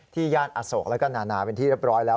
ย่านอโศกแล้วก็นานาเป็นที่เรียบร้อยแล้ว